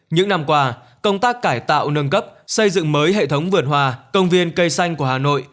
những năm qua công tác cải tạo nâng cấp xây dựng mới hệ thống vườn hòa công viên cây xanh của hà nội